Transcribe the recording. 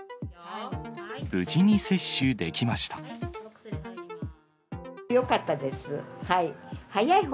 無事に接種できました。よかったです。